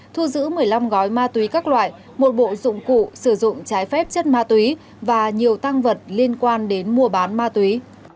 thu giữ một mươi năm gói ma túy các loại một bộ dụng cụ sử dụng trái phép chất ma túy và nhiều tăng vật liên quan đến mua bán ma túy